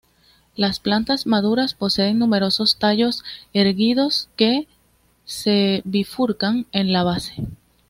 Las plantas maduras poseen numerosos tallos erguidos que se bifurcan en la base.